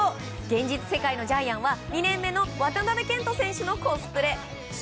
現実世界のジャイアンは２年目の渡部健人選手のコスプレ。